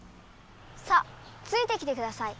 さっついてきてください。